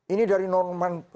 ini dari norman